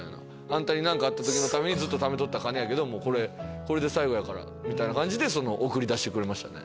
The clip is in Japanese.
「あんたに何かあった時のためにずっとためとった金やけどこれで最後やから」みたいな感じで送り出してくれましたね。